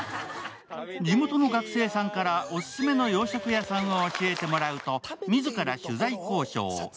地元の学生さんからオススメの洋食屋さんを教えてもらうと、自ら取材交渉。